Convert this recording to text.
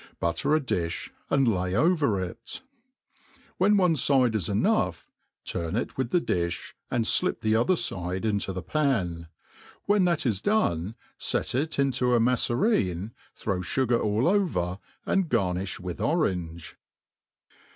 Butter a difli, and lay over it. When one fide is enough, turn it with the di(h, and flip the other fide into the pan. When thaf is done, fet it into a maflereeU) throw fugar all over^ aud gariiifh with orange.